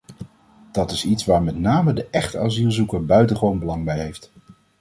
Dat is iets waar met name de echte asielzoeker buitengewoon belang bij heeft.